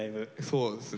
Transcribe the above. そうですね